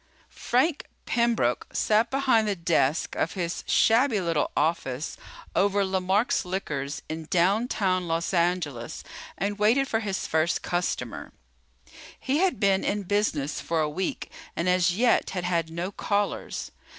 _ Frank Pembroke sat behind the desk of his shabby little office over Lemark's Liquors in downtown Los Angeles and waited for his first customer. He had been in business for a week and as yet had had no callers.